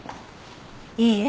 いいえ。